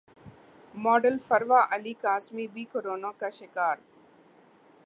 model Farwa Ali Kazmi بھی corona کا شکار